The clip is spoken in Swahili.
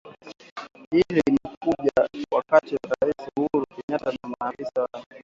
Hili limekuja wakati Raisi Uhuru Kenyatta na maafisa wake